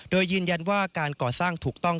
โดยยืนยันว่าการก่อสร้างถูกต้อง